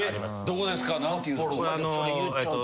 どこですか？